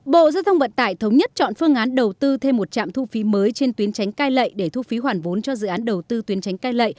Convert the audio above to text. bộ giao thông vận tải thống nhất chọn phương án đầu tư thêm một trạm thu phí mới trên tuyến tránh cai lệ để thu phí hoàn vốn cho dự án đầu tư tuyến tránh cai lệ